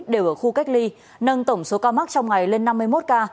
đều ở khu cách ly nâng tổng số ca mắc trong ngày lên năm mươi một ca